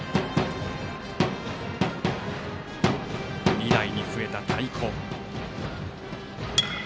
２台に増えた太鼓。